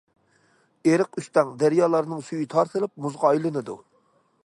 ئېرىق- ئۆستەڭ، دەريالارنىڭ سۈيى تارتىلىپ، مۇزغا ئايلىنىدۇ.